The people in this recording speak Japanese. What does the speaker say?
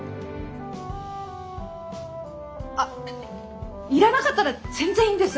あっ要らなかったら全然いいんです！